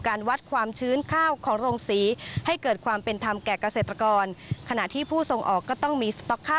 การวัดความชื้นข้าวของโรงสี